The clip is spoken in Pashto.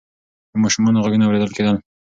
د ماشومانو غږونه اورېدل کېدل.